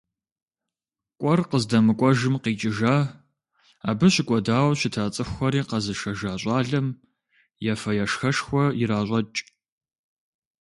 КӀуэр къыздэмыкӀуэжым къикӀыжа, абы щыкӀуэдауэ щыта цӀыхухэри къэзышэжа щӀалэм ефэ-ешхэшхуэ иращӀэкӀ.